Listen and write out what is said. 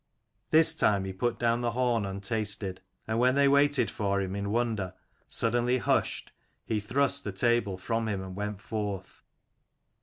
This time he put c 17 down the horn untasted : and when they waited for him in wonder, suddenly hushed, he thrust the table from him, and went forth.